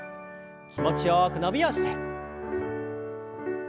気持ちよく伸びをして。